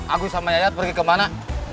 agus sama yayat pergi kemana